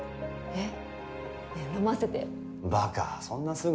えっ？